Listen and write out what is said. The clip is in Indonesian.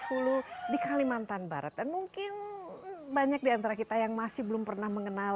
hulu di kalimantan barat dan mungkin banyak diantara kita yang masih belum pernah mengenal